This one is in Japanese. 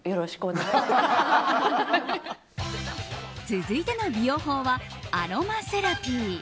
続いての美容法はアロマセラピー。